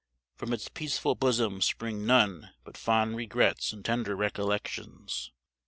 From its peaceful bosom spring none but fond regrets and tender recollections.